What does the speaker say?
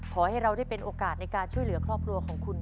ขอให้เราได้เป็นโอกาสในการช่วยเหลือครอบครัวของคุณ